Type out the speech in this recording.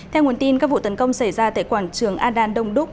theo nguồn tin các vụ tấn công xảy ra tại quảng trường adan đông đúc